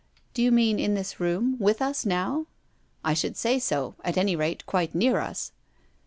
" Do you mean in this room, with us, now?" " I should say so — at any rate, quite near us."